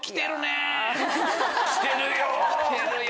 来てるよ。